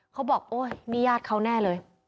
เขาบอกโอ๊ยนี่ญาติเขาแน่เลย